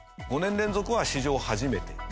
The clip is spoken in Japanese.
５年連続は史上初めて。